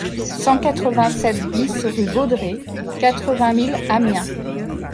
cent quatre-vingt-sept BIS rue Baudrez, quatre-vingt mille Amiens